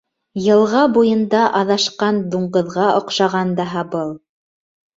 — Йылға буйында аҙашҡан дуңғыҙға оҡшаған даһа был.